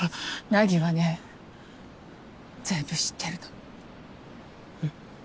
凪はね全部知ってるの。え？